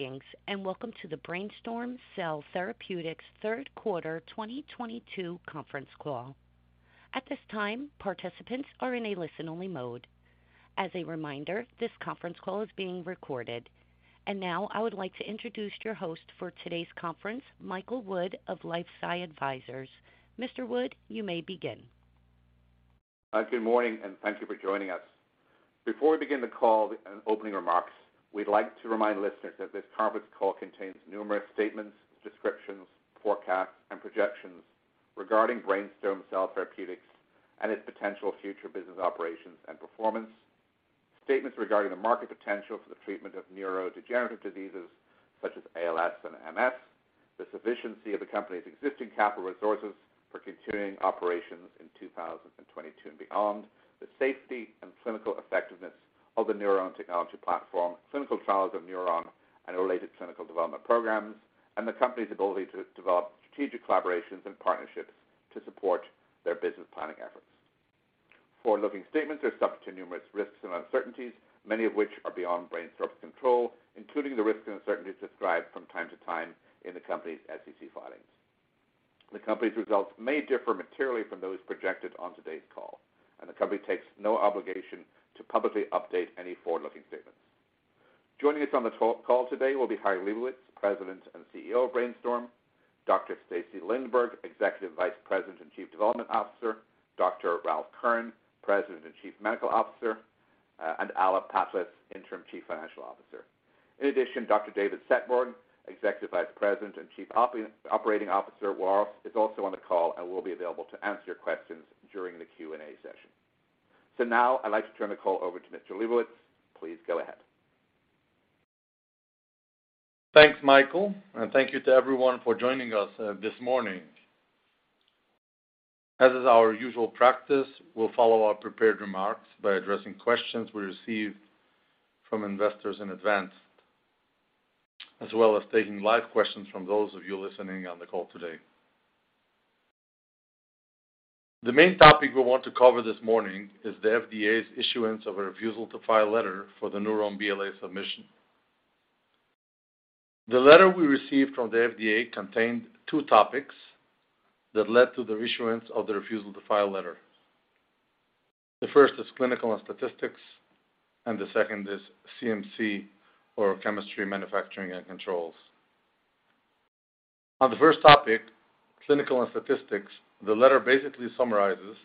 Thanks, and welcome to the Brainstorm Cell Therapeutics third quarter 2022 conference call. At this time, participants are in a listen-only mode. As a reminder, this conference call is being recorded. Now I would like to introduce your host for today's conference, Michael Wood of LifeSci Advisors. Mr. Wood, you may begin. Good morning, and thank you for joining us. Before we begin the call and opening remarks, we'd like to remind listeners that this conference call contains numerous statements, descriptions, forecasts, and projections regarding Brainstorm Cell Therapeutics and its potential future business operations and performance. Statements regarding the market potential for the treatment of neurodegenerative diseases such as ALS and MS, the sufficiency of the company's existing capital resources for continuing operations in 2022 and beyond, the safety and clinical effectiveness of the NurOwn technology platform, clinical trials of NurOwn, and related clinical development programs, and the company's ability to develop strategic collaborations and partnerships to support their business planning efforts. Forward-looking statements are subject to numerous risks and uncertainties, many of which are beyond Brainstorm's control, including the risks and uncertainties described from time to time in the company's SEC filings. The company's results may differ materially from those projected on today's call, and the company takes no obligation to publicly update any forward-looking statements. Joining us on the call today will be Chaim Lebovits, President and CEO of Brainstorm, Dr. Stacy Lindborg, Executive Vice President and Chief Development Officer, Dr. Ralph Kern, President and Chief Medical Officer, and Alla Patlis, Interim Chief Financial Officer. In addition, Dr. David Setboun, Executive Vice President and Chief Operating Officer, is also on the call and will be available to answer your questions during the Q&A session. Now I'd like to turn the call over to Mr. Lebovits. Please go ahead. Thanks, Michael, and thank you to everyone for joining us this morning. As is our usual practice, we'll follow our prepared remarks by addressing questions we received from investors in advance, as well as taking live questions from those of you listening on the call today. The main topic we want to cover this morning is the FDA's issuance of a refusal to file letter for the NurOwn BLA submission. The letter we received from the FDA contained two topics that led to the issuance of the refusal to file letter. The first is clinical and statistical, and the second is CMC or chemistry, manufacturing, and controls. On the first topic, clinical and statistical, the letter basically summarizes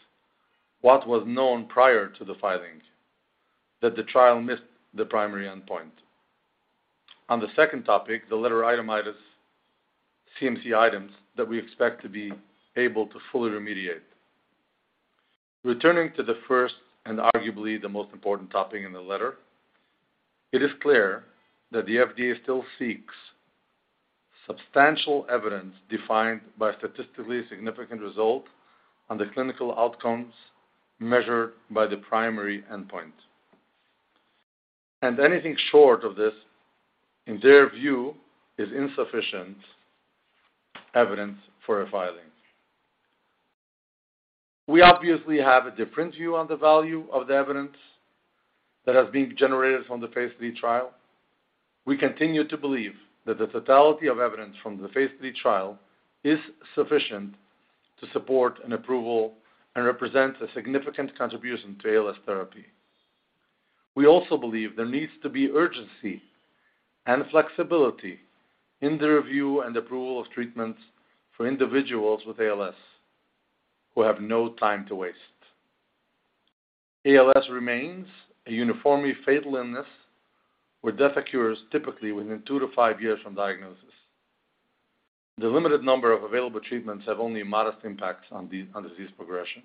what was known prior to the filing, that the trial missed the primary endpoint. On the second topic, the letter itemizes CMC items that we expect to be able to fully remediate. Returning to the first, and arguably the most important topic in the letter, it is clear that the FDA still seeks substantial evidence defined by statistically significant result on the clinical outcomes measured by the primary endpoint. Anything short of this, in their view, is insufficient evidence for a filing. We obviously have a different view on the value of the evidence that has been generated from the phase III trial. We continue to believe that the totality of evidence from the phase III trial is sufficient to support an approval and represents a significant contribution to ALS therapy. We also believe there needs to be urgency and flexibility in the review and approval of treatments for individuals with ALS who have no time to waste. ALS remains a uniformly fatal illness where death occurs typically within two-five years from diagnosis. The limited number of available treatments have only modest impacts on disease progression.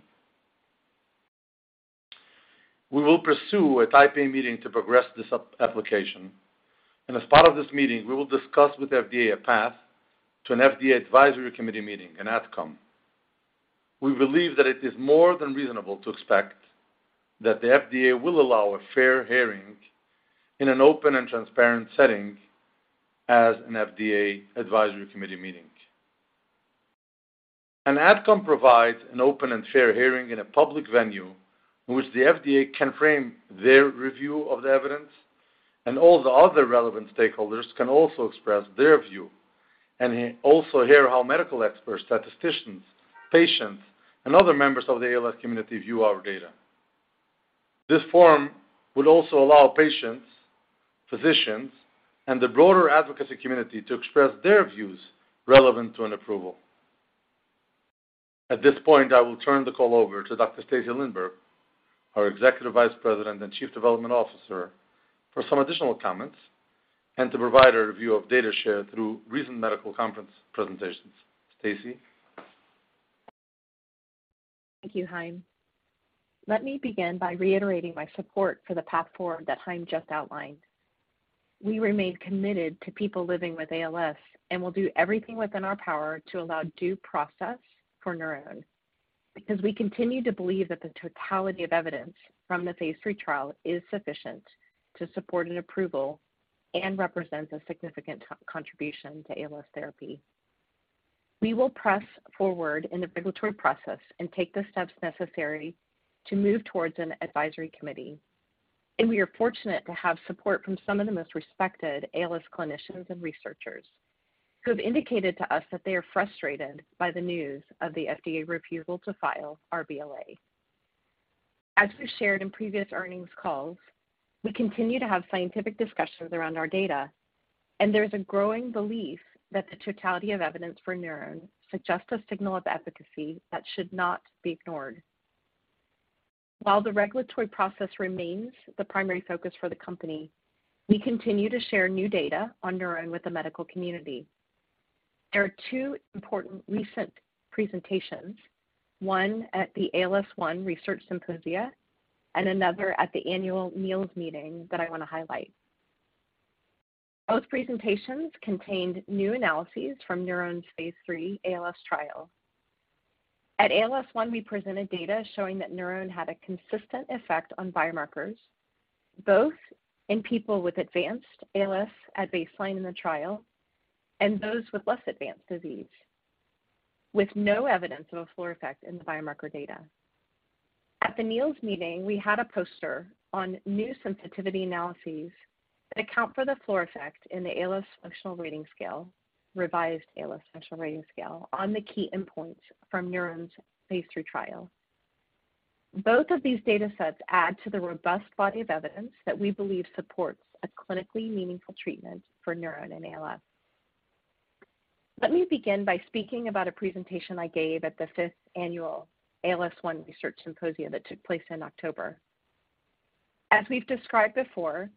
We will pursue a Type A meeting to progress this application. As part of this meeting, we will discuss with FDA a path to an FDA Advisory Committee meeting, an AdCom. We believe that it is more than reasonable to expect that the FDA will allow a fair hearing in an open and transparent setting as an FDA Advisory Committee meeting. An AdCom provides an open and fair hearing in a public venue in which the FDA can frame their review of the evidence and all the other relevant stakeholders can also express their view and also hear how medical experts, statisticians, patients, and other members of the ALS community view our data. This forum would also allow patients, physicians, and the broader advocacy community to express their views relevant to an approval. At this point, I will turn the call over to Dr. Stacy Lindborg, our Executive Vice President and Chief Development Officer, for some additional comments and to provide a review of data shared through recent medical conference presentations. Stacy? Thank you, Chaim. Let me begin by reiterating my support for the path forward that Chaim just outlined. We remain committed to people living with ALS, and will do everything within our power to allow due process for NurOwn, because we continue to believe that the totality of evidence from the phase III trial is sufficient to support an approval and represents a significant contribution to ALS therapy. We will press forward in the regulatory process and take the steps necessary to move towards an advisory committee, and we are fortunate to have support from some of the most respected ALS clinicians and researchers who have indicated to us that they are frustrated by the news of the FDA refusal to file our BLA. As we've shared in previous earnings calls, we continue to have scientific discussions around our data, and there is a growing belief that the totality of evidence for NurOwn suggests a signal of efficacy that should not be ignored. While the regulatory process remains the primary focus for the company, we continue to share new data on NurOwn with the medical community. There are two important recent presentations, one at the ALS ONE Research Symposium and another at the annual NEALS meeting that I want to highlight. Both presentations contained new analyses from NurOwn's phase III ALS trial. At ALS ONE, we presented data showing that NurOwn had a consistent effect on biomarkers, both in people with advanced ALS at baseline in the trial and those with less advanced disease, with no evidence of a floor effect in the biomarker data. At the NEALS meeting, we had a poster on new sensitivity analyses that account for the floor effect in the ALS Functional Rating Scale-Revised on the key endpoints from NurOwn's phase III trial. Both of these data sets add to the robust body of evidence that we believe supports a clinically meaningful treatment for NurOwn and ALS. Let me begin by speaking about a presentation I gave at the fifth annual ALS ONE Research Symposium that took place in October. As we've described before,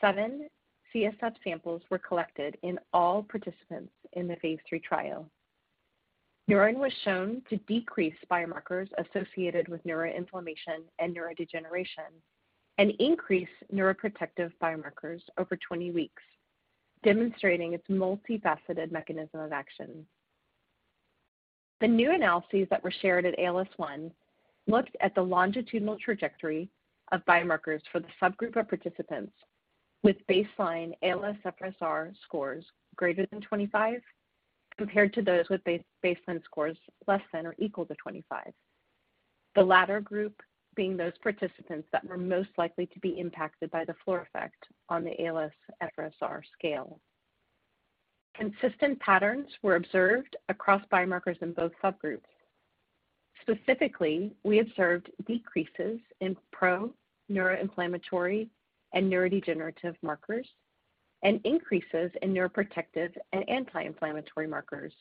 seven CSF samples were collected in all participants in the phase III trial. NurOwn was shown to decrease biomarkers associated with neuroinflammation and neurodegeneration and increase neuroprotective biomarkers over 20 weeks, demonstrating its multifaceted mechanism of action. The new analyses that were shared at ALS ONE looked at the longitudinal trajectory of biomarkers for the subgroup of participants with baseline ALS-FRS scores greater than 25, compared to those with baseline scores less than or equal to 25. The latter group being those participants that were most likely to be impacted by the floor effect on the ALS-FRS scale. Consistent patterns were observed across biomarkers in both subgroups. Specifically, we observed decreases in pro-neuroinflammatory and neurodegenerative markers, and increases in neuroprotective and anti-inflammatory markers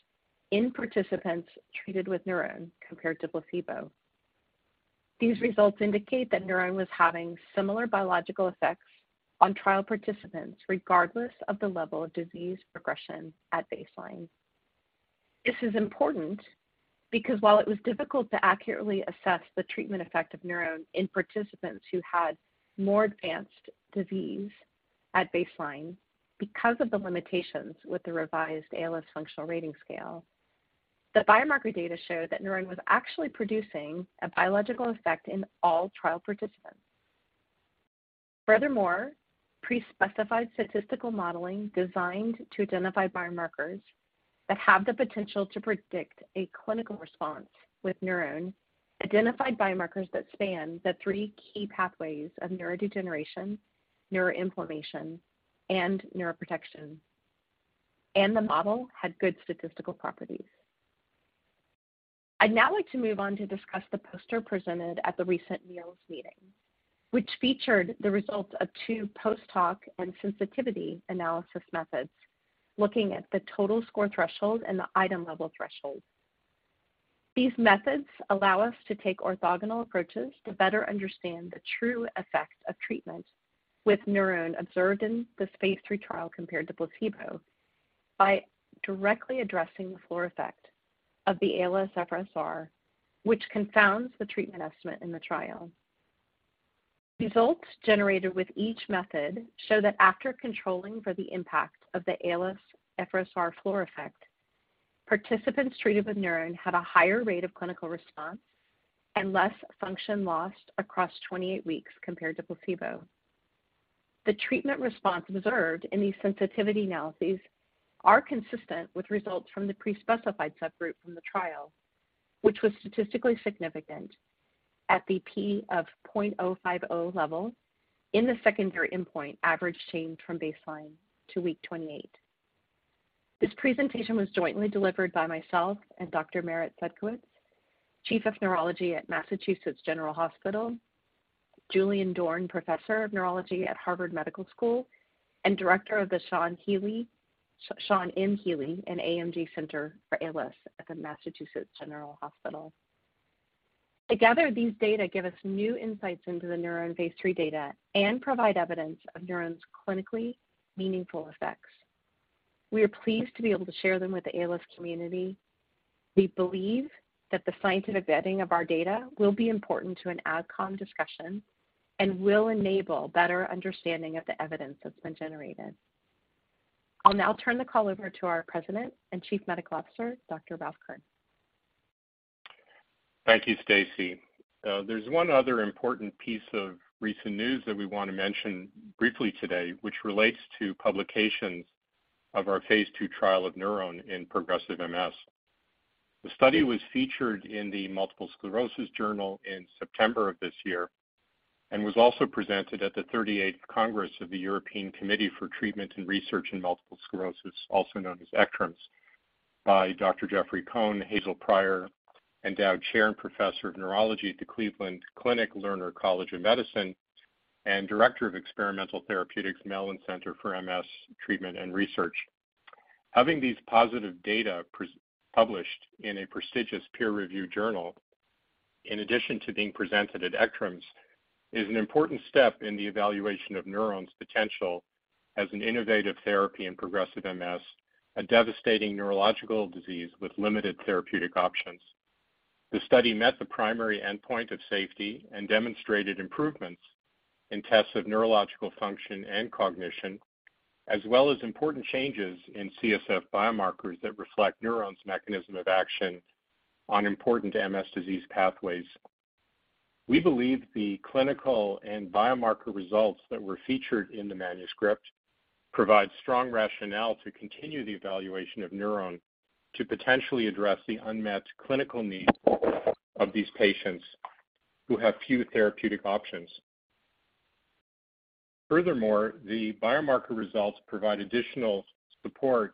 in participants treated with NurOwn compared to placebo. These results indicate that NurOwn was having similar biological effects on trial participants regardless of the level of disease progression at baseline. This is important because while it was difficult to accurately assess the treatment effect of NurOwn in participants who had more advanced disease at baseline because of the limitations with the revised ALS Functional Rating Scale, the biomarker data show that NurOwn was actually producing a biological effect in all trial participants. Furthermore, pre-specified statistical modeling designed to identify biomarkers that have the potential to predict a clinical response with NurOwn identified biomarkers that span the three key pathways of neurodegeneration, neuroinflammation, and neuroprotection, and the model had good statistical properties. I'd now like to move on to discuss the poster presented at the recent NEALS meeting, which featured the results of two post-hoc and sensitivity analysis methods looking at the total score threshold and the item level threshold. These methods allow us to take orthogonal approaches to better understand the true effect of treatment with NurOwn observed in this phase III trial compared to placebo by directly addressing the floor effect of the ALSFRS-R, which confounds the treatment estimate in the trial. Results generated with each method show that after controlling for the impact of the ALSFRS-R floor effect, participants treated with NurOwn had a higher rate of clinical response and less function lost across 28 weeks compared to placebo. The treatment response observed in these sensitivity analyses are consistent with results from the pre-specified subgroup from the trial, which was statistically significant at the p=0.050 level in the secondary endpoint average change from baseline to week 28. This presentation was jointly delivered by myself and Dr. Merit Cudkowicz, Chief of Neurology at Massachusetts General Hospital, Julieanne Dorn Professor of Neurology at Harvard Medical School, and Director of the Sean M. Healey & AMG Center for ALS at the Massachusetts General Hospital. Together, these data give us new insights into the NurOwn phase III data and provide evidence of NurOwn's clinically meaningful effects. We are pleased to be able to share them with the ALS community. We believe that the scientific vetting of our data will be important to an AdCom discussion and will enable better understanding of the evidence that's been generated. I'll now turn the call over to our President and Chief Medical Officer, Dr. Ralph Kern. Thank you, Stacy. There's one other important piece of recent news that we wanna mention briefly today, which relates to publications of our phase II trial of NurOwn in progressive MS. The study was featured in the Multiple Sclerosis Journal in September of this year, and was also presented at the 38th Congress of the European Committee for Treatment and Research in Multiple Sclerosis, also known as ECTRIMS, by Dr. Jeffrey Cohen, Hazel Prior Endowed Chair and Professor of Neurology at the Cleveland Clinic Lerner College of Medicine, and Director of Experimental Therapeutics, Mellen Center for MS Treatment and Research. Having these positive data pre-published in a prestigious peer-reviewed journal, in addition to being presented at ECTRIMS, is an important step in the evaluation of NurOwn's potential as an innovative therapy in progressive MS, a devastating neurological disease with limited therapeutic options. The study met the primary endpoint of safety and demonstrated improvements in tests of neurological function and cognition, as well as important changes in CSF biomarkers that reflect NurOwn's mechanism of action on important MS disease pathways. We believe the clinical and biomarker results that were featured in the manuscript provide strong rationale to continue the evaluation of NurOwn to potentially address the unmet clinical needs of these patients who have few therapeutic options. Furthermore, the biomarker results provide additional support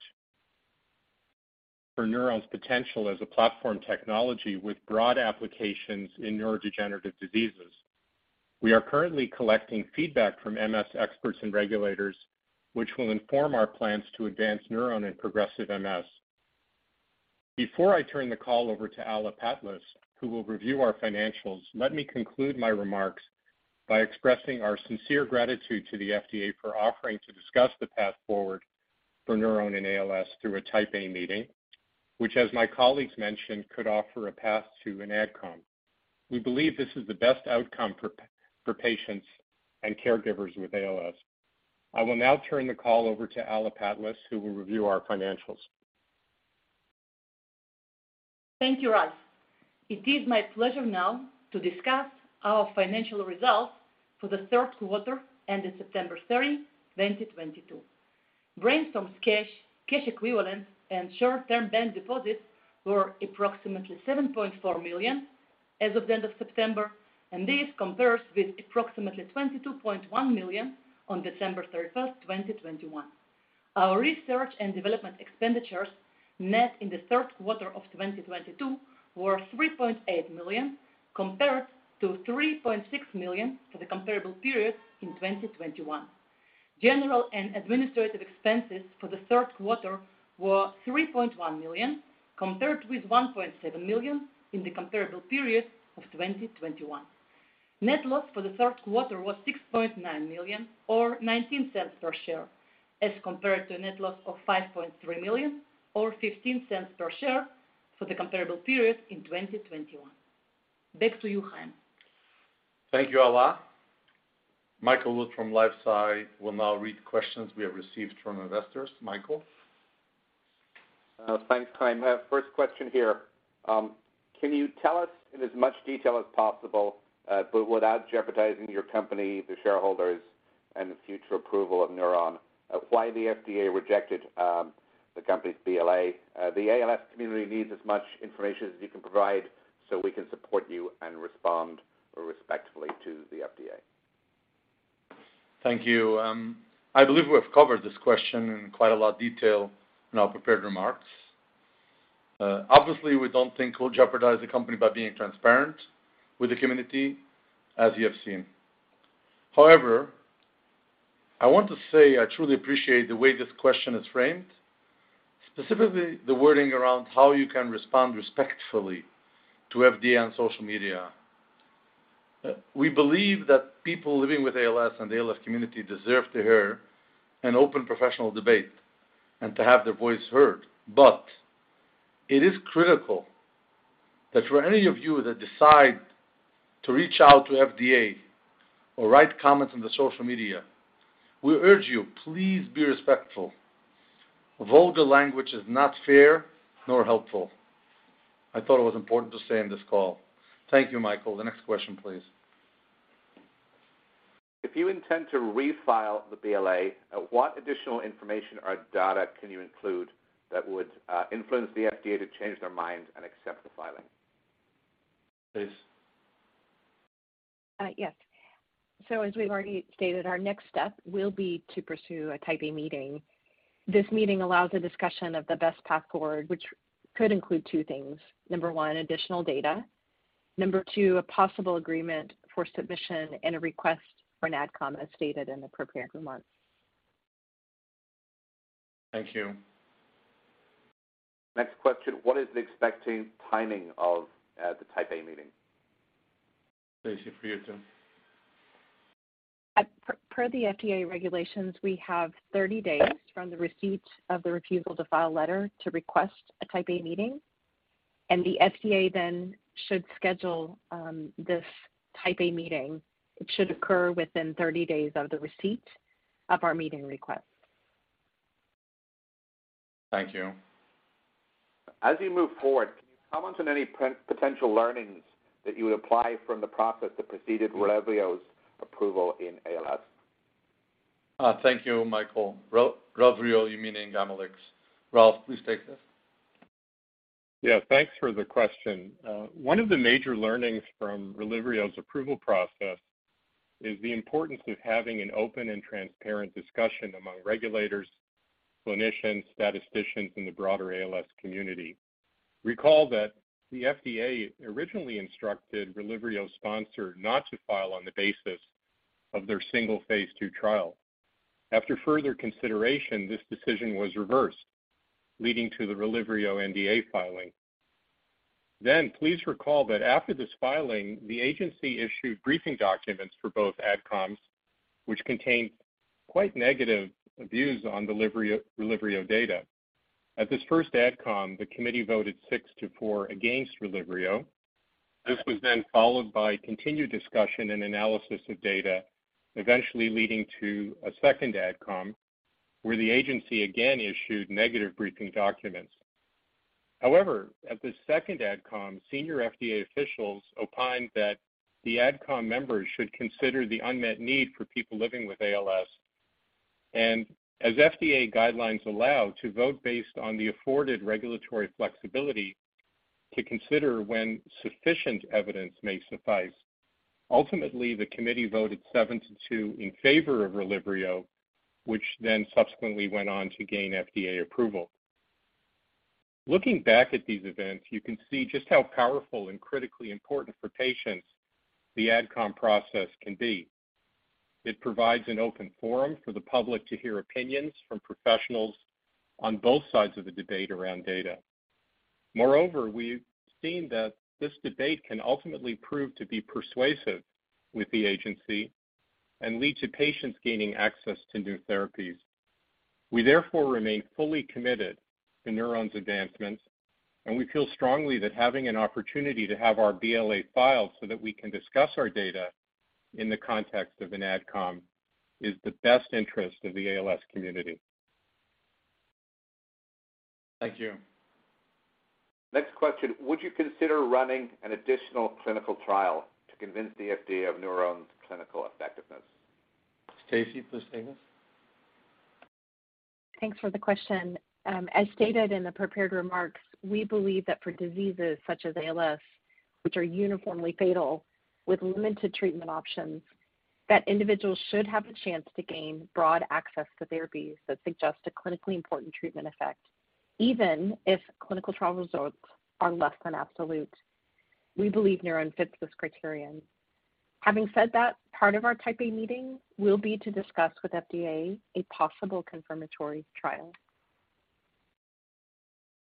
for NurOwn's potential as a platform technology with broad applications in neurodegenerative diseases. We are currently collecting feedback from MS experts and regulators, which will inform our plans to advance NurOwn in progressive MS. Before I turn the call over to Alla Patlis, who will review our financials, let me conclude my remarks by expressing our sincere gratitude to the FDA for offering to discuss the path forward for NurOwn and ALS through a Type A meeting. Which as my colleagues mentioned, could offer a path to an AdCom. We believe this is the best outcome for patients and caregivers with ALS. I will now turn the call over to Alla Patlis, who will review our financials. Thank you, Ralph Kern. It is my pleasure now to discuss our financial results for the third quarter ended September 30, 2022. Brainstorm's cash equivalent and short-term bank deposits were approximately $7.4 million as of the end of September, and this compares with approximately $22.1 million on December 31, 2021. Our research and development expenditures, net in the third quarter of 2022 were $3.8 million, compared to $3.6 million for the comparable period in 2021. General and administrative expenses for the third quarter were $3.1 million, compared with $1.7 million in the comparable period of 2021. Net loss for the third quarter was $6.9 million or $0.19 per share, as compared to a net loss of $5.3 million or $0.15 per share for the comparable period in 2021. Back to you, Chaim. Thank you, Alla. Michael Wood from LifeSci will now read questions we have received from investors. Michael. Thanks, Chaim. I have first question here. Can you tell us in as much detail as possible, but without jeopardizing your company, the shareholders, and the future approval of NurOwn, why the FDA rejected the company's BLA? The ALS community needs as much information as you can provide so we can support you and respond respectfully to the FDA. Thank you. I believe we have covered this question in quite a lot detail in our prepared remarks. Obviously, we don't think we'll jeopardize the company by being transparent with the community, as you have seen. However, I want to say I truly appreciate the way this question is framed, specifically the wording around how you can respond respectfully to FDA on social media. We believe that people living with ALS and the ALS community deserve to hear an open professional debate and to have their voice heard. It is critical that for any of you that decide to reach out to FDA or write comments on the social media, we urge you, please be respectful. Vulgar language is not fair nor helpful. I thought it was important to say in this call. Thank you, Michael. The next question, please. If you intend to refile the BLA, what additional information or data can you include that would influence the FDA to change their mind and accept the filing? Please. As we've already stated, our next step will be to pursue a Type A meeting. This meeting allows a discussion of the best path forward, which could include two things. Number one, additional data. Number two, a possible agreement for submission and a request for an AdCom, as stated in the prepared remarks. Thank you. Next question. What is the expected timing of the Type A meeting? Stacy, for you to. Per the FDA regulations, we have 30 days from the receipt of the refusal to file letter to request a Type A meeting, and the FDA then should schedule this Type A meeting. It should occur within 30 days of the receipt of our meeting request. Thank you. As you move forward, can you comment on any potential learnings that you would apply from the process that preceded Relyvrio's approval in ALS? Thank you, Michael. Relyvrio, you mean Amylyx. Ralph, please take this. Yeah, thanks for the question. One of the major learnings from Relyvrio's approval process is the importance of having an open and transparent discussion among regulators, clinicians, statisticians, and the broader ALS community. Recall that the FDA originally instructed Relyvrio's sponsor not to file on the basis of their single phase II trial. After further consideration, this decision was reversed, leading to the Relyvrio NDA filing. Please recall that after this filing, the agency issued briefing documents for both AdComs, which contained quite negative views on Relyvrio data. At this first AdCom, the committee voted six to four against Relyvrio. This was then followed by continued discussion and analysis of data, eventually leading to a second AdCom, where the agency again issued negative briefing documents. However, at the second AdCom, senior FDA officials opined that the AdCom members should consider the unmet need for people living with ALS, and as FDA guidelines allow, to vote based on the afforded regulatory flexibility to consider when sufficient evidence may suffice. Ultimately, the committee voted seven-two in favor of Relyvrio, which then subsequently went on to gain FDA approval. Looking back at these events, you can see just how powerful and critically important for patients the AdCom process can be. It provides an open forum for the public to hear opinions from professionals on both sides of the debate around data. Moreover, we've seen that this debate can ultimately prove to be persuasive with the agency and lead to patients gaining access to new therapies. We therefore remain fully committed to NurOwn's advancements, and we feel strongly that having an opportunity to have our BLA filed so that we can discuss our data in the context of an AdCom is the best interest of the ALS community. Thank you. Next question: Would you consider running an additional clinical trial to convince the FDA of NurOwn's clinical effectiveness? Stacy, please take this. Thanks for the question. As stated in the prepared remarks, we believe that for diseases such as ALS, which are uniformly fatal with limited treatment options, that individuals should have the chance to gain broad access to therapies that suggest a clinically important treatment effect, even if clinical trial results are less than absolute. We believe NurOwn fits this criterion. Having said that, part of our Type A meeting will be to discuss with FDA a possible confirmatory trial.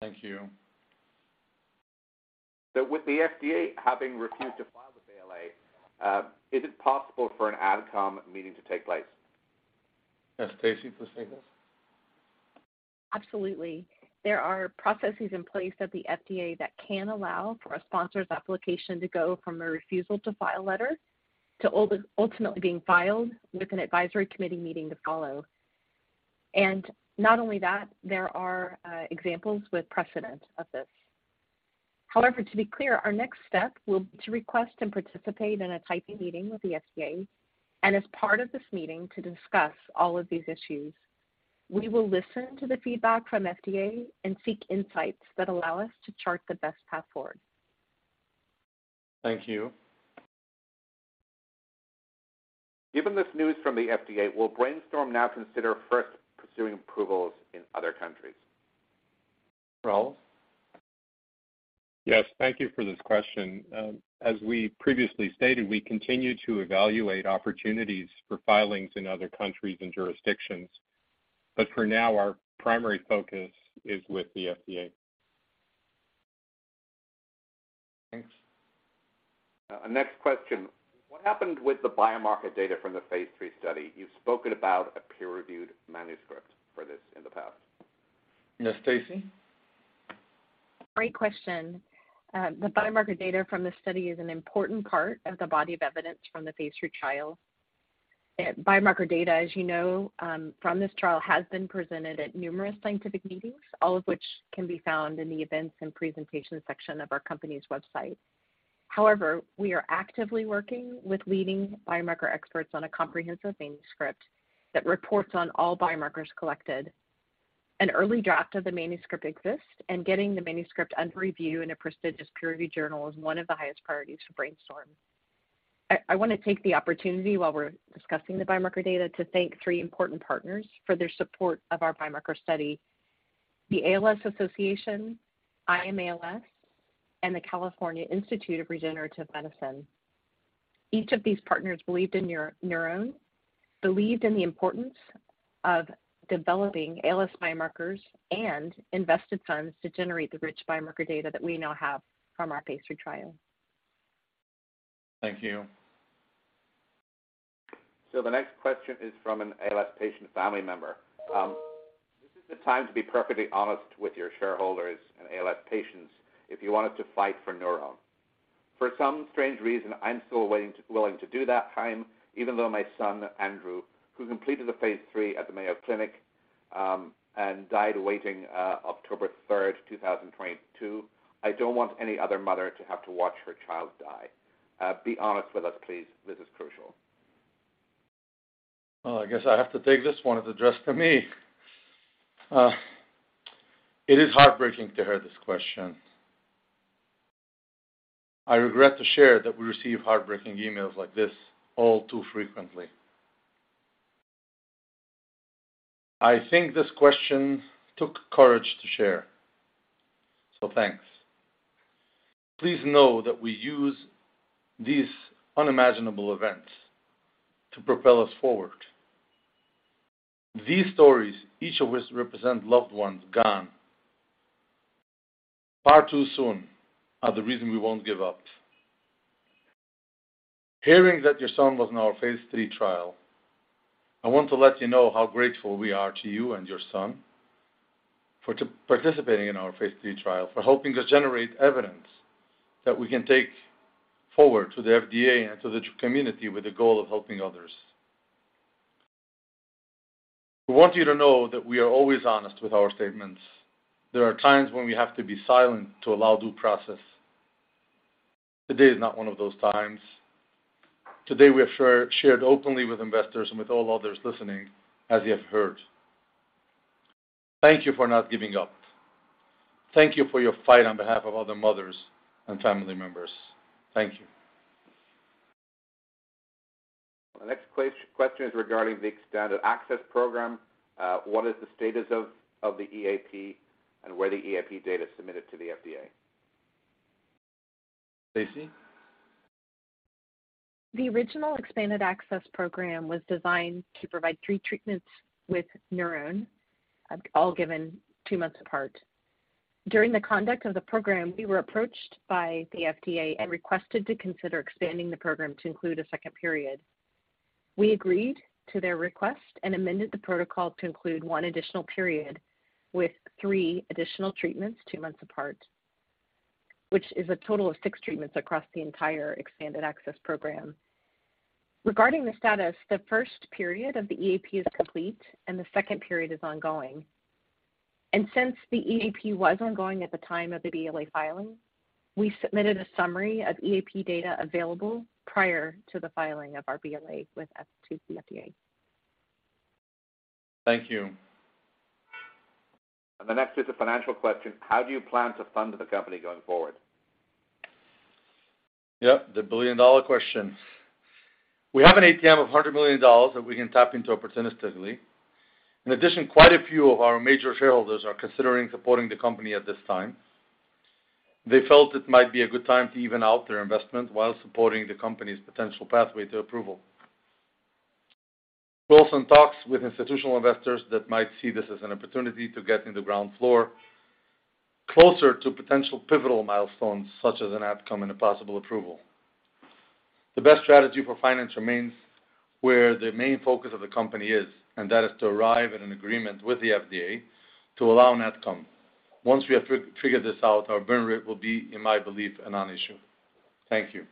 Thank you. With the FDA having refused to file the BLA, is it possible for an AdCom meeting to take place? Stacy, please take this. Absolutely. There are processes in place at the FDA that can allow for a sponsor's application to go from a refusal to file letter to ultimately being filed with an advisory committee meeting to follow. Not only that, there are examples with precedent of this. However, to be clear, our next step will be to request and participate in a Type A meeting with the FDA, and as part of this meeting, to discuss all of these issues. We will listen to the feedback from FDA and seek insights that allow us to chart the best path forward. Thank you. Given this news from the FDA, will Brainstorm now consider first pursuing approvals in other countries? Ralph? Yes. Thank you for this question. As we previously stated, we continue to evaluate opportunities for filings in other countries and jurisdictions. For now, our primary focus is with the FDA. Thanks. Next question: What happened with the biomarker data from the phase III study? You've spoken about a peer-reviewed manuscript for this in the past. Yes, Stacy. Great question. The biomarker data from this study is an important part of the body of evidence from the phase III trial. Biomarker data, as you know, from this trial, has been presented at numerous scientific meetings, all of which can be found in the events and presentations section of our company's website. However, we are actively working with leading biomarker experts on a comprehensive manuscript that reports on all biomarkers collected. An early draft of the manuscript exists, and getting the manuscript under review in a prestigious peer-reviewed journal is one of the highest priorities for Brainstorm. I wanna take the opportunity while we're discussing the biomarker data to thank three important partners for their support of our biomarker study, the ALS Association, I AM ALS, and the California Institute of Regenerative Medicine. Each of these partners believed in NurOwn, believed in the importance of developing ALS biomarkers, and invested funds to generate the rich biomarker data that we now have from our phase III trial. Thank you. The next question is from an ALS patient family member. This is the time to be perfectly honest with your shareholders and ALS patients if you wanted to fight for NurOwn. For some strange reason, I'm still willing to do that, Chaim, even though my son, Andrew, who completed the phase III at the Mayo Clinic, and died waiting, October third, 2022. I don't want any other mother to have to watch her child die. Be honest with us, please. This is crucial. Well, I guess I have to take this one. It's addressed to me. It is heartbreaking to hear this question. I regret to share that we receive heartbreaking emails like this all too frequently. I think this question took courage to share, so thanks. Please know that we use these unimaginable events to propel us forward. These stories, each of which represent loved ones gone far too soon, are the reason we won't give up. Hearing that your son was in our phase III trial, I want to let you know how grateful we are to you and your son for participating in our phase III trial, for helping us generate evidence that we can take forward to the FDA and to the community with the goal of helping others. We want you to know that we are always honest with our statements. There are times when we have to be silent to allow due process. Today is not one of those times. Today, we have shared openly with investors and with all others listening, as you have heard. Thank you for not giving up. Thank you for your fight on behalf of other mothers and family members. Thank you. The next question is regarding the expanded access program. What is the status of the EAP and were the EAP data submitted to the FDA? Stacy? The original expanded access program was designed to provide three treatments with NurOwn, all given two months apart. During the conduct of the program, we were approached by the FDA and requested to consider expanding the program to include a second period. We agreed to their request and amended the protocol to include one additional period with three additional treatments two months apart, which is a total of six treatments across the entire expanded access program. Regarding the status, the first period of the EAP is complete, and the second period is ongoing. Since the EAP was ongoing at the time of the BLA filing, we submitted a summary of EAP data available prior to the filing of our BLA to the FDA. Thank you. The next is a financial question: How do you plan to fund the company going forward? Yeah, the billion-dollar question. We have an ATM of $100 million that we can tap into opportunistically. In addition, quite a few of our major shareholders are considering supporting the company at this time. They felt it might be a good time to even out their investment while supporting the company's potential pathway to approval. We're also in talks with institutional investors that might see this as an opportunity to get in the ground floor closer to potential pivotal milestones such as an outcome and a possible approval. The best strategy for finance remains where the main focus of the company is, and that is to arrive at an agreement with the FDA to allow an outcome. Once we have figured this out, our burn rate will be, in my belief, a non-issue. Thank you.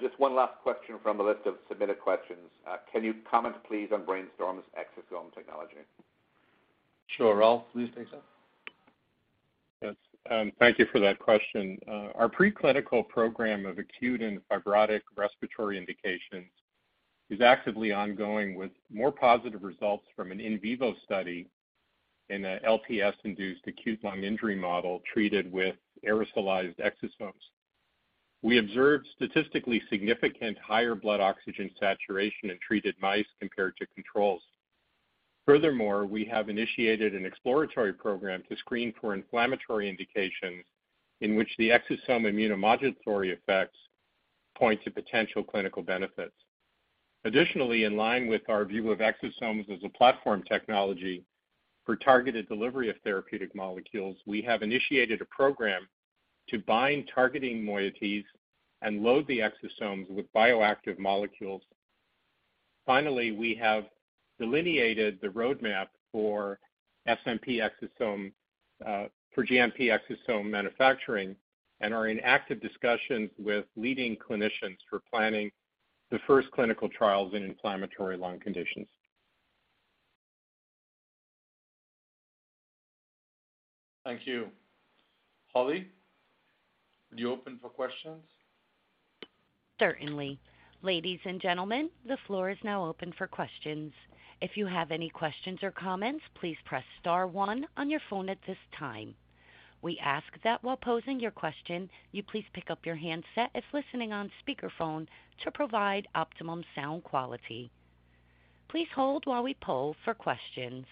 Just one last question from the list of submitted questions. Can you comment please on Brainstorm's exosome technology? Sure. Ralph, please take that. Yes, thank you for that question. Our preclinical program of acute and fibrotic respiratory indications is actively ongoing with more positive results from an in vivo study in a LPS-induced acute lung injury model treated with aerosolized exosomes. We observed statistically significant higher blood oxygen saturation in treated mice compared to controls. Furthermore, we have initiated an exploratory program to screen for inflammatory indications in which the exosome immunomodulatory effects point to potential clinical benefits. Additionally, in line with our view of exosomes as a platform technology for targeted delivery of therapeutic molecules, we have initiated a program to bind targeting moieties and load the exosomes with bioactive molecules. Finally, we have delineated the roadmap for GMP exosome manufacturing and are in active discussions with leading clinicians for planning the first clinical trials in inflammatory lung conditions. Thank you. Holly, would you open for questions? Certainly. Ladies and gentlemen, the floor is now open for questions. If you have any questions or comments, please press star one on your phone at this time. We ask that while posing your question, you please pick up your handset if listening on speakerphone to provide optimum sound quality. Please hold while we poll for questions.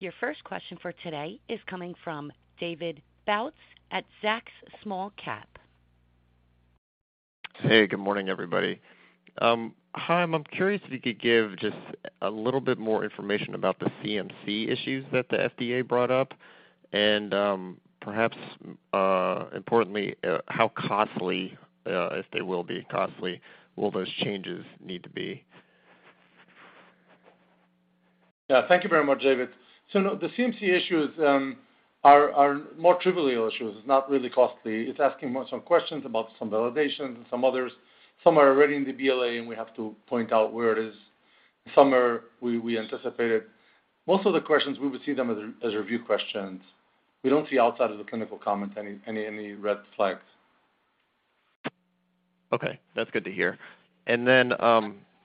Your first question for today is coming from David Bautz at Zacks Small Cap Research. Hey, good morning, everybody. Chaim, I'm curious if you could give just a little bit more information about the CMC issues that the FDA brought up and, perhaps, importantly, how costly, if they will be costly, will those changes need to be? Yeah, thank you very much, David. No, the CMC issues are more trivial issues. It's not really costly. It's asking some questions about some validations and some others. Some are already in the BLA, and we have to point out where it is. Some we anticipated. Most of the questions, we would see them as review questions. We don't see outside of the clinical comments any red flags. Okay, that's good to hear.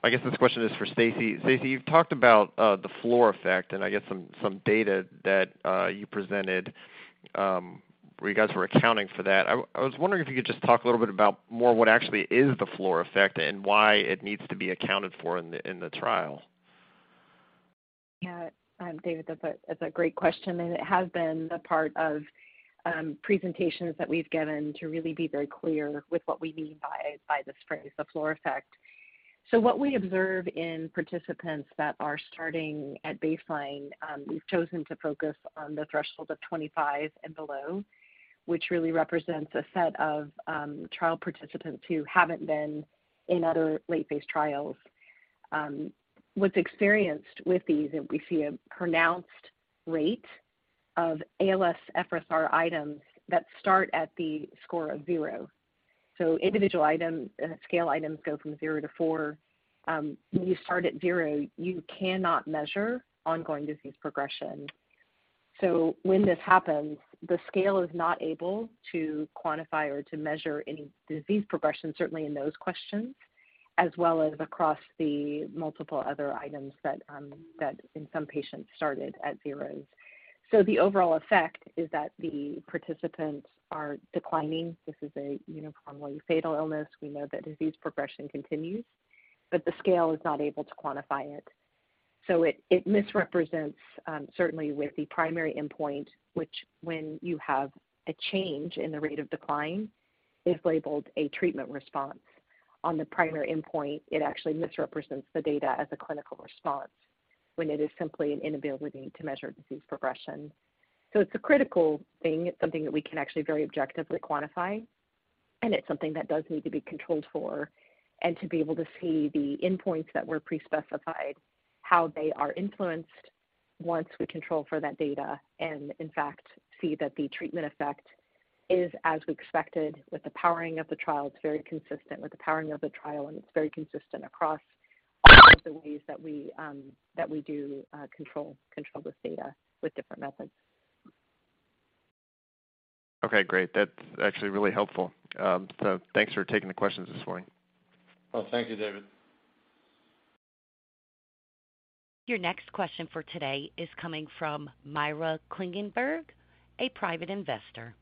I guess this question is for Stacy. Stacy, you've talked about the floor effect and I guess some data that you presented, where you guys were accounting for that. I was wondering if you could just talk a little bit about more what actually is the floor effect and why it needs to be accounted for in the trial. Yeah. David, that's a great question, and it has been the part of presentations that we've given to really be very clear with what we mean by this phrase, the floor effect. What we observe in participants that are starting at baseline, we've chosen to focus on the threshold of 25 and below, which really represents a set of trial participants who haven't been in other late phase trials. What we experience with these, and we see a pronounced rate of ALSFRS-R items that start at the score of 0. Individual items, scale items go from zero to four. When you start at zero, you cannot measure ongoing disease progression. When this happens, the scale is not able to quantify or to measure any disease progression, certainly in those questions, as well as across the multiple other items that in some patients started at zero. The overall effect is that the participants are declining. This is a uniformly fatal illness. We know that disease progression continues, but the scale is not able to quantify it. It misrepresents, certainly with the primary endpoint, which when you have a change in the rate of decline, is labeled a treatment response. On the primary endpoint, it actually misrepresents the data as a clinical response when it is simply an inability to measure disease progression. It's a critical thing. It's something that we can actually very objectively quantify, and it's something that does need to be controlled for and to be able to see the endpoints that were pre-specified, how they are influenced once we control for that data and in fact, see that the treatment effect is as we expected with the powering of the trial. It's very consistent with the powering of the trial, and it's very consistent across all of the ways that we that we do control this data with different methods. Okay, great. That's actually really helpful. Thanks for taking the questions this morning. Well, thank you, David. Your next question for today is coming from Myra Klingenberg, a private investor.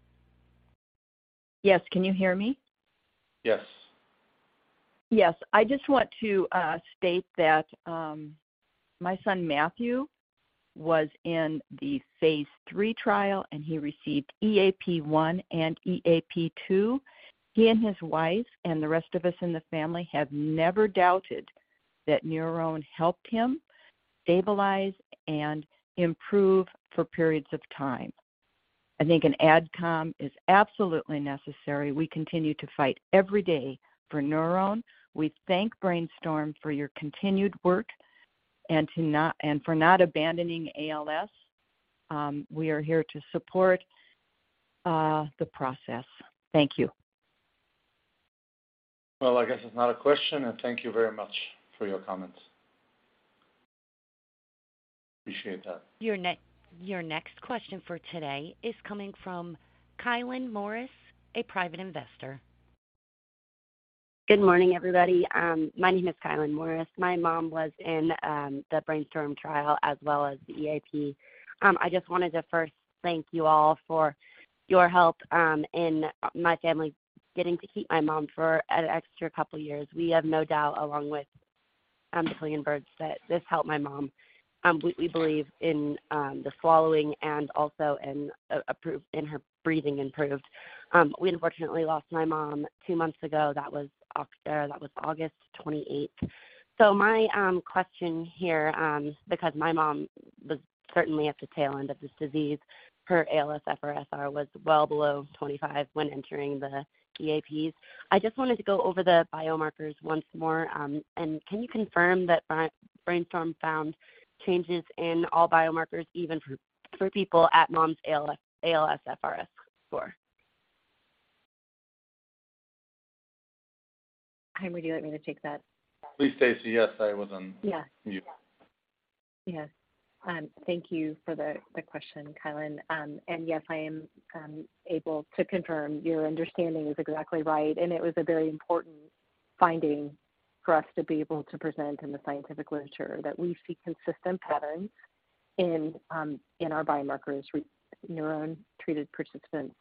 Yes. Can you hear me? Yes. Yes. I just want to state that my son Matthew was in the phase III trial, and he received EAP-1 and EAP-2. He and his wife and the rest of us in the family have never doubted that NurOwn helped him stabilize and improve for periods of time. I think an AdCom is absolutely necessary. We continue to fight every day for NurOwn. We thank Brainstorm for your continued work and for not abandoning ALS. We are here to support the process. Thank you. Well, I guess it's not a question, and thank you very much for your comments. Appreciate that. Your next question for today is coming from Kylan Morris, a private investor. Good morning, everybody. My name is Kylan Morris. My mom was in the Brainstorm trial as well as the EAP. I just wanted to first thank you all for your help in my family getting to keep my mom for an extra couple of years. We have no doubt, along with Klingenberg, that this helped my mom. We believe the swallowing and also her breathing improved. We unfortunately lost my mom two months ago. That was August twenty-eighth. My question here, because my mom was certainly at the tail end of this disease, her ALSFRS-R was well below 25 when entering the EAPs. I just wanted to go over the biomarkers once more, and can you confirm that Brainstorm found changes in all biomarkers even for people at month's ALSFRS score? Chaim Lebovits, do you want me to take that? Please, Stacey. Yes, I was on. Yeah. mute. Yes. Thank you for the question, Kylan. Yes, I am able to confirm your understanding is exactly right, and it was a very important finding for us to be able to present in the scientific literature that we see consistent patterns in our biomarkers in NurOwn-treated participants.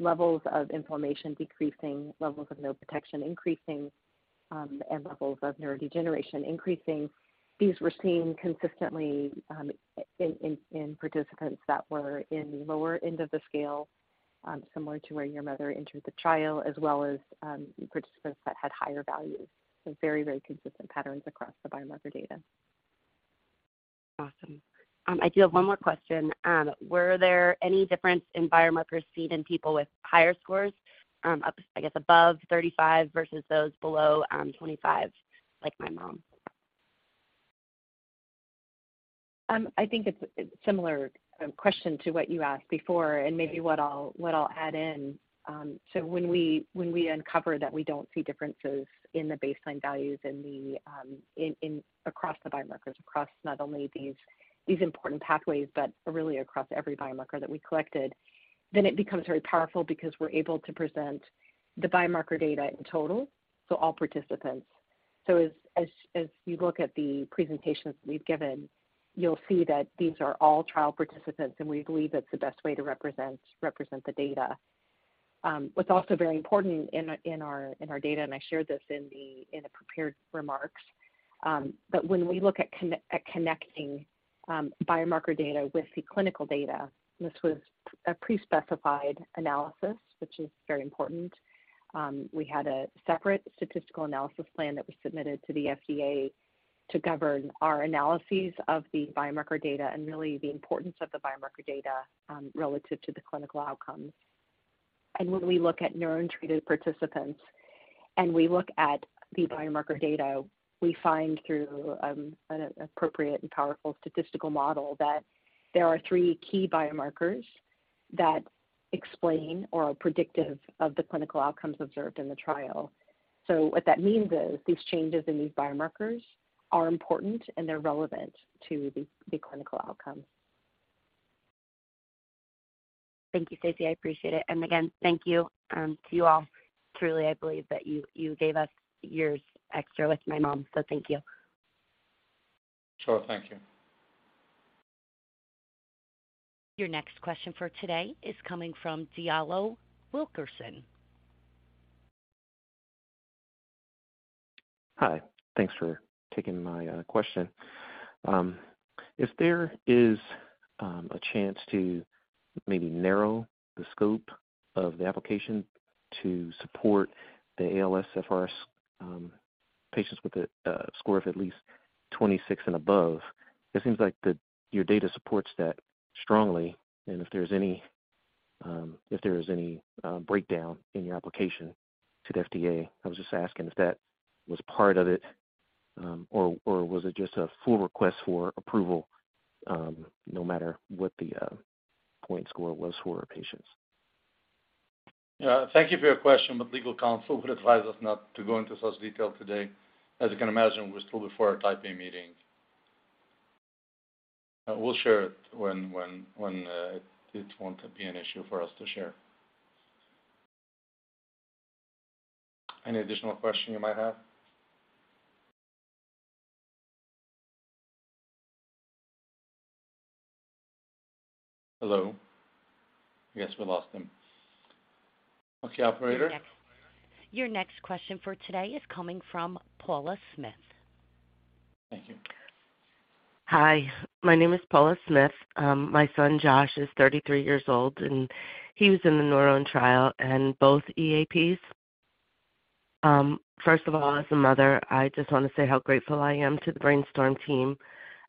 Levels of inflammation decreasing, levels of neuroprotection increasing, and levels of neurodegeneration increasing. These were seen consistently in participants that were in the lower end of the scale, similar to where your mother entered the trial, as well as participants that had higher values. Very, very consistent patterns across the biomarker data. Awesome. I do have one more question. Were there any difference in biomarkers seen in people with higher scores, I guess above 35 versus those below, 25, like my mom? I think it's a similar question to what you asked before and maybe what I'll add in. When we uncover that we don't see differences in the baseline values across the biomarkers, across not only these important pathways, but really across every biomarker that we collected, then it becomes very powerful because we're able to present the biomarker data in total, so all participants. As you look at the presentations we've given, you'll see that these are all trial participants, and we believe that's the best way to represent the data. What's also very important in our data, and I shared this in the prepared remarks, but when we look at connecting biomarker data with the clinical data, and this was a pre-specified analysis, which is very important, we had a separate statistical analysis plan that was submitted to the FDA to govern our analyses of the biomarker data and really the importance of the biomarker data, relative to the clinical outcomes. When we look at NurOwn-treated participants, and we look at the biomarker data, we find through an appropriate and powerful statistical model that there are three key biomarkers that explain or are predictive of the clinical outcomes observed in the trial. What that means is these changes in these biomarkers are important, and they're relevant to the clinical outcomes. Thank you, Stacy. I appreciate it. Again, thank you to you all. Truly, I believe that you gave us years extra with my mom. Thank you. Sure. Thank you. Your next question for today is coming from Diallo Wilkerson. Hi. Thanks for taking my question. If there is a chance to maybe narrow the scope of the application to support the ALSFRS patients with a score of at least 26 and above, it seems like your data supports that strongly. If there is any breakdown in your application to the FDA, I was just asking if that was part of it, or was it just a full request for approval, no matter what the point score was for patients? Yeah. Thank you for your question, but legal counsel would advise us not to go into such detail today. As you can imagine, we're still before a Type A meeting. We'll share it when it won't be an issue for us to share. Any additional question you might have? Hello? I guess we lost him. Okay. Operator. Your next question for today is coming from Paula Smith. Thank you. Hi, my name is Paula Smith. My son Josh is 33 years old, and he was in the NurOwn trial and both EAPs. First of all, as a mother, I just want to say how grateful I am to the Brainstorm team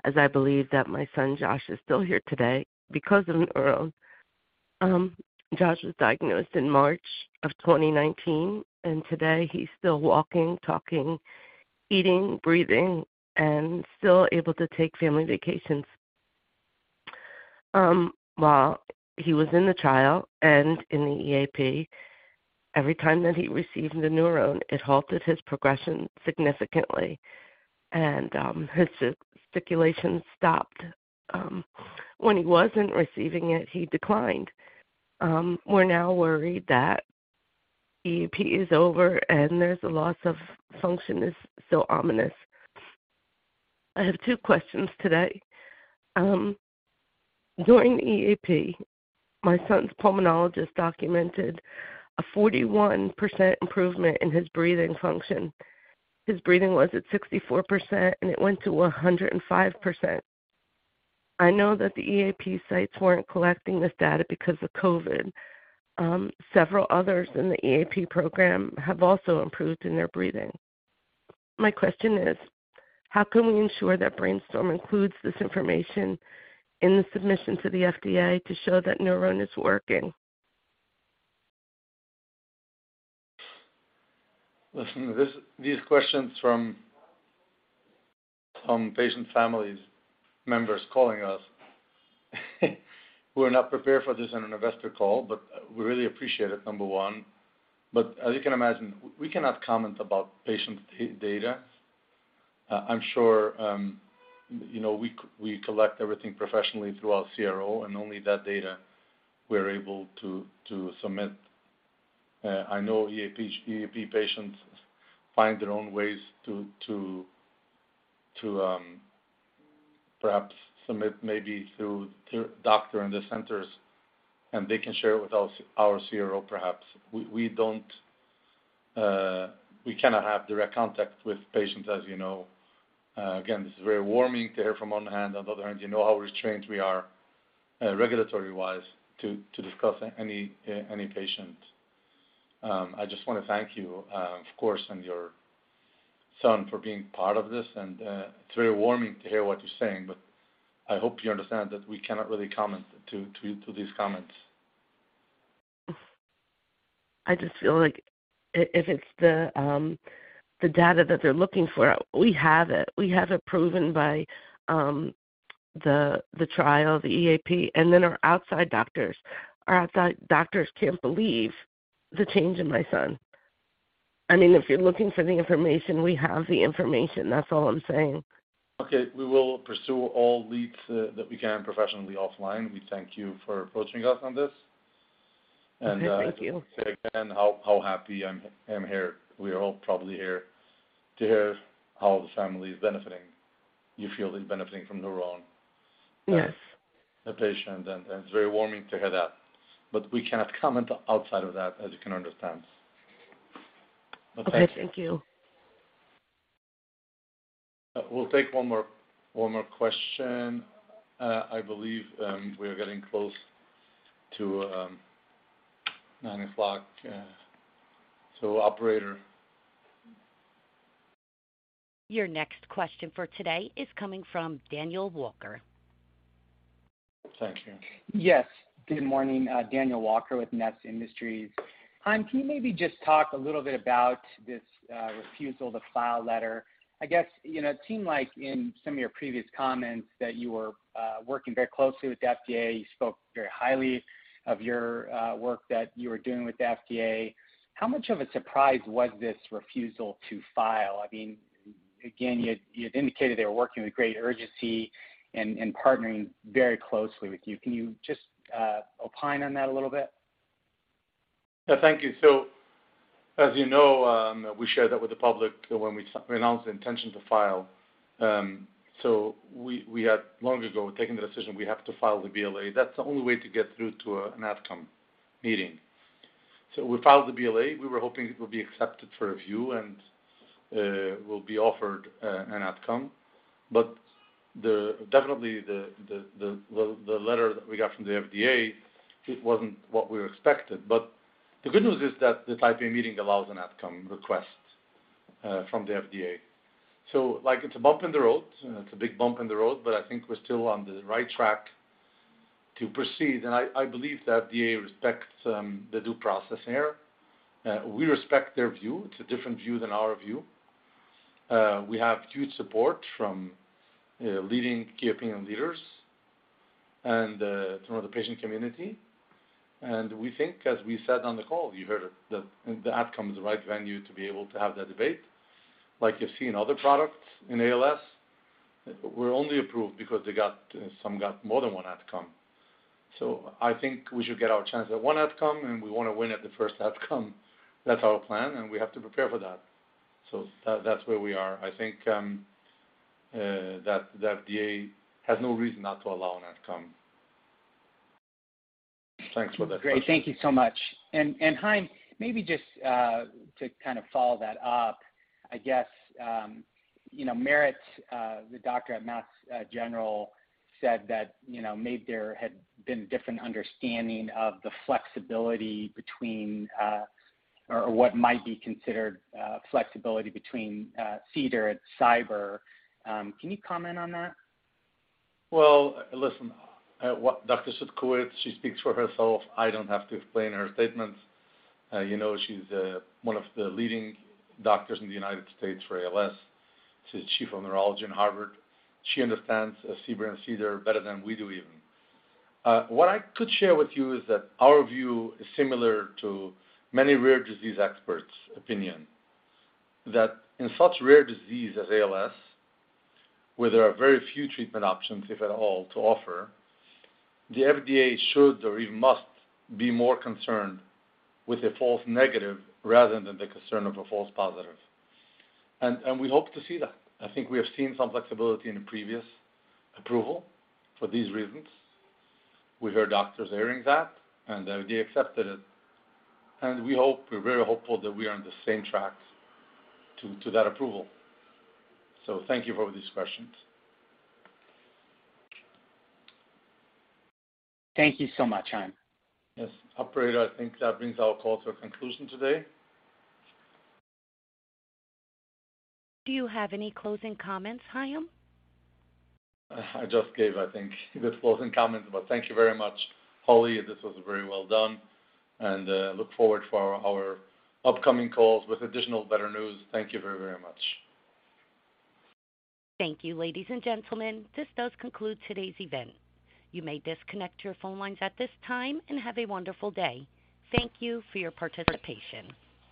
as I believe that my son Josh is still here today because of NurOwn. Josh was diagnosed in March of 2019, and today he's still walking, talking, eating, breathing, and still able to take family vacations. While he was in the trial and in the EAP, every time that he received the NurOwn, it halted his progression significantly, and his fasciculations stopped. When he wasn't receiving it, he declined. We're now worried that EAP is over and there's a loss of function is so ominous. I have two questions today. During the EAP, my son's pulmonologist documented a 41% improvement in his breathing function. His breathing was at 64%, and it went to 105%. I know that the EAP sites weren't collecting this data because of COVID. Several others in the EAP program have also improved in their breathing. My question is: How can we ensure that Brainstorm includes this information in the submission to the FDA to show that NurOwn is working? Listen, these questions from patient families, members calling us, we're not prepared for this on an investor call, but we really appreciate it, number one. As you can imagine, we cannot comment about patient data. I'm sure, you know, we collect everything professionally through our CRO and only that data we're able to submit. I know EAP patients find their own ways to perhaps submit maybe through their doctor and the centers, and they can share with our CRO, perhaps. We cannot have direct contact with patients, as you know. Again, this is very warming to hear from one hand. On the other hand, you know how restrained we are, regulatory-wise to discuss any patient. I just wanna thank you, of course, and your son for being part of this, and it's very warming to hear what you're saying, but I hope you understand that we cannot really comment to these comments. I just feel like if it's the data that they're looking for, we have it proven by the trial, the EAP, and then our outside doctors. Our outside doctors can't believe the change in my son. I mean, if you're looking for the information, we have the information. That's all I'm saying. Okay. We will pursue all leads that we can professionally offline. We thank you for approaching us on this. Okay. Thank you. Say again how happy I'm here. We are all probably here to hear how the family is benefiting. You feel is benefiting from NurOwn. Yes. The patient. It's very warming to hear that. We cannot comment outside of that, as you can understand. Thank you. Okay. Thank you. We'll take one more question. I believe we are getting close to 9 o'clock. Operator. Your next question for today is coming from Daniel Walker. Thank you. Yes. Good morning. Daniel Walker with Ness Industries. Chaim, can you maybe just talk a little bit about this refusal to file letter? I guess, you know, it seemed like in some of your previous comments that you were working very closely with the FDA. You spoke very highly of your work that you were doing with the FDA. How much of a surprise was this refusal to file? I mean, again, you had indicated they were working with great urgency and partnering very closely with you. Can you just opine on that a little bit? Yeah, thank you. As you know, we shared that with the public when we announced the intention to file. We had long ago taken the decision we have to file the BLA. That's the only way to get through to an outcome meeting. We filed the BLA. We were hoping it would be accepted for review and we'll be offered an outcome. The letter that we got from the FDA wasn't what we expected. The good news is that the Type A meeting allows an outcome request from the FDA. Like, it's a bump in the road. It's a big bump in the road, but I think we're still on the right track to proceed. I believe the FDA respects the due process here. We respect their view. It's a different view than our view. We have huge support from leading key opinion leaders and from the patient community. We think, as we said on the call, you heard it, that the outcome is the right venue to be able to have that debate. Like, you've seen other products in ALS, were only approved because they got, some got more than one outcome. I think we should get our chance at one outcome, and we wanna win at the first outcome. That's our plan, and we have to prepare for that. That's where we are. I think that the FDA has no reason not to allow an outcome. Thanks for that question. Great. Thank you so much. Chaim, maybe just to kind of follow that up, I guess, you know, Merit, the doctor at Mass General, said that, you know, maybe there had been a different understanding of the flexibility between, or what might be considered, flexibility between, CDER and CBER. Can you comment on that? Well, listen, what Dr. Merit Cudkowicz, she speaks for herself. I don't have to explain her statements. You know, she's one of the leading doctors in the United States for ALS. She's Chief of Neurology in Harvard. She understands CBER and CDER better than we do even. What I could share with you is that our view is similar to many rare disease experts' opinion, that in such rare disease as ALS, where there are very few treatment options, if at all, to offer, the FDA should, or even must, be more concerned with a false negative rather than the concern of a false positive. And we hope to see that. I think we have seen some flexibility in the previous approval for these reasons. We heard doctors airing that, and the FDA accepted it. We hope, we're very hopeful that we are on the same track to that approval. Thank you for these questions. Thank you so much, Chaim. Yes. Operator, I think that brings our call to a conclusion today. Do you have any closing comments, Chaim? I just gave, I think, the closing comments, but thank you very much, Holly. This was very well done, and look forward for our upcoming calls with additional better news. Thank you very, very much. Thank you, ladies and gentlemen. This does conclude today's event. You may disconnect your phone lines at this time, and have a wonderful day. Thank you for your participation.